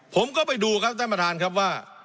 ผมก็ไปดูครับท่านประธานครับว่า